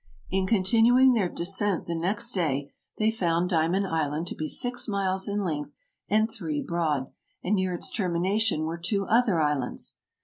In continuing their descent the next day, they found Diamond Island to be six miles in length and three broad, and near its termination were two other islands.